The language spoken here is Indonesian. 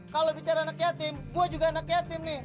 kalau bicara anak yatim gue juga anak yatim nih